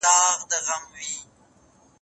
کتاب وايي چي درې مرحلې شتون لري.